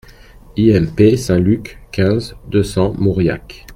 IMP SAINT LUC, quinze, deux cents Mauriac